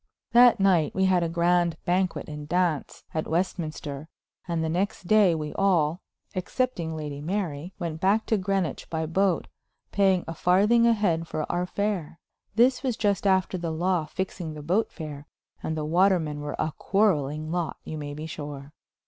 That night we had a grand banquet and dance at Westminster, and the next day we all, excepting Lady Mary, went back to Greenwich by boat, paying a farthing a head for our fare. This was just after the law fixing the boat fare, and the watermen were a quarreling lot, you may be sure.